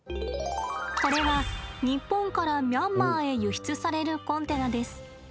これは日本からミャンマーへ輸出されるコンテナです。